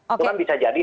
itu kan bisa jadi